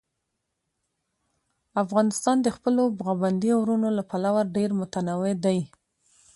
افغانستان د خپلو پابندي غرونو له پلوه ډېر متنوع دی.